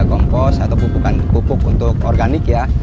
kompos atau pupuk untuk organik ya